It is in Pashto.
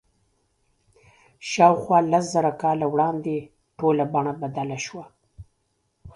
شاوخوا لس زره کاله وړاندې ټوله بڼه بدله شوه.